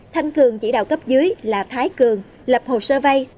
thanh cường chỉ đạo cấp dưới là thái cường lập hồ sơ vay